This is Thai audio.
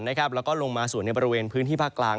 แล้วก็ลงมาส่วนในบริเวณพื้นที่ภาคกลาง